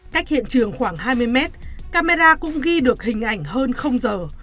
cách hiện trường khoảng hai mươi mét camera cũng ghi được hình ảnh hơn giờ